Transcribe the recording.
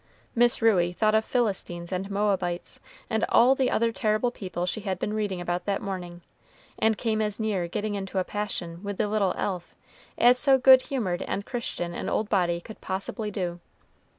Miss Ruey thought of Philistines and Moabites, and all the other terrible people she had been reading about that morning, and came as near getting into a passion with the little elf as so good humored and Christian an old body could possibly do.